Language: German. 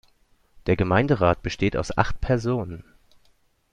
Der Gemeinderat besteht aus acht Personen.